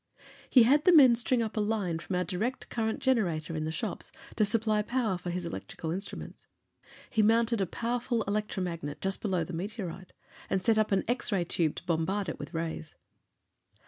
He had the men string up a line from our direct current generator in the shops, to supply power for his electrical instruments. He mounted a powerful electromagnet just below the meteorite, and set up an X ray tube to bombard it with rays.